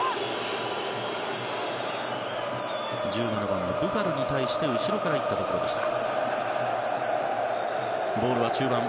１７番のブファルに対して後ろから行ったところでした。